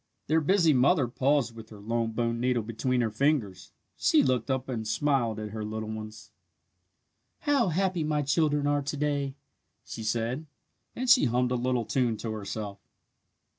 Their busy mother paused with her long bone needle between her fingers. She looked up and smiled at her little ones. "How happy my children are to day!" she said, and she hummed a little tune to herself.